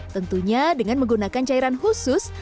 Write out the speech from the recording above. tentunya dengan menggunakan cairan khusus